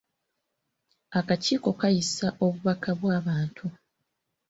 Akakiiko kaayisa obubaka bw'abantu.